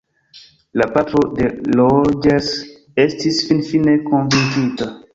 La patro de Rogers estis finfine konvinkita.